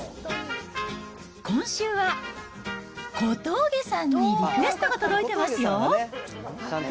今週は小峠さんにリクエストが届いてますよ。